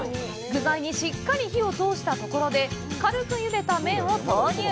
具材にしっかり火を通したところで、軽くゆでた麺を投入。